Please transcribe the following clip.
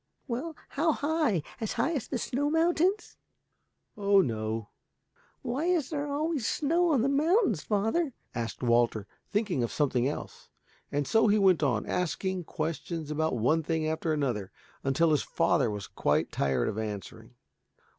"Well, how high? As high as the snow mountains?" "Oh no." "Why is there always snow on the mountains, father?" asked Walter, thinking of something else. And so he went on, asking questions about one thing after another, until his father was quite tired of answering.